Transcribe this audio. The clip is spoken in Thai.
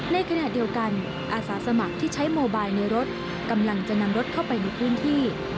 ในขณะเดียวกันอาสาสมัครที่ใช้โมบายในรถกำลังจะนำรถเข้าไปในพื้นที่